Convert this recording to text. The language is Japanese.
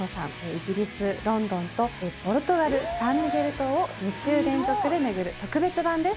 イギリスロンドンとポルトガルサンミゲル島を２週連続で巡る特別版です。